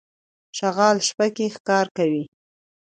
شغال شپه کې ښکار کوي.